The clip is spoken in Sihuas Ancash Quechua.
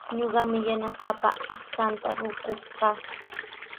Ñuqami yanasaapa aqchanta rukuq kaa.